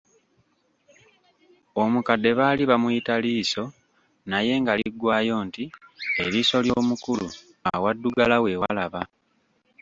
Omukadde baali bamuyita Liiso naye nga liggwaayo nti, Eriiso ly’omukulu awaddugala weewalaba.